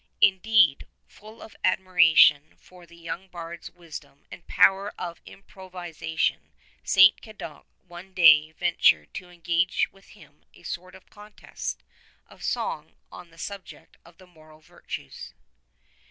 Indeed, full of admiration for the young bard's wisdom and power of improvisation, St. Cadoc one day ven 92 tured to engage with him in a sort of contest of song on the subject of the moral virtues.